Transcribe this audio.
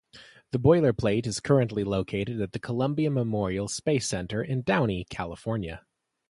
The boilerplate is currently located at the Columbia Memorial Space Center in Downey, California.